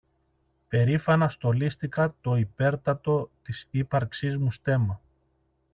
περήφανα στολίστηκα το υπέρτατο της ύπαρξής μου στέμμα